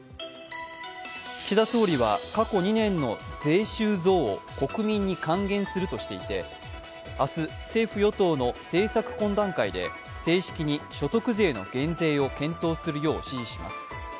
岸田総理は過去２年の税収増を国民に還元するとしていて、明日、政府・与党の政策懇談会で正式に所得税の減税を検討するよう指示します